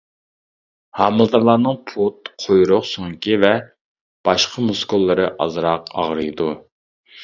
ھامىلىدارلارنىڭ پۇت، قۇيرۇق سۆڭىكى ۋە باشقا مۇسكۇللىرى ئازراق ئاغرىيدۇ.